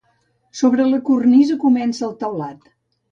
Sobre la cornisa comença el teulat.